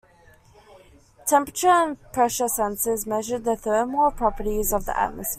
Temperature and pressure sensors measured the thermal properties of the atmosphere.